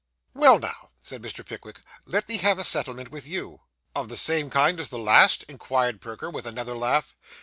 'Well, now,' said Mr. Pickwick, 'let me have a settlement with you.' Of the same kind as the last?' inquired Perker, with another laugh.